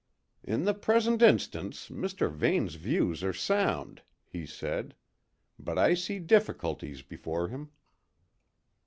"In the present instance, Mr. Vane's views are sound," he said. "But I see difficulties before him."